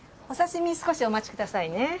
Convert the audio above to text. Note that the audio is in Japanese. お刺身少しお待ちくださいね。